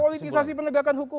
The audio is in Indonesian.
politikasi penegakan hukum